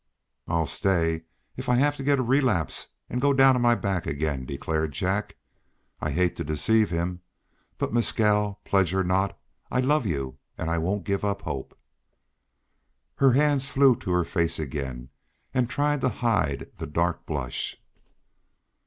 "I'll stay, if I have to get a relapse and go down on my back again," declared Jack. "I hate to deceive him, but Mescal, pledged or not I love you, and I won't give up hope." Her hands flew to her face again and tried to hide the dark blush.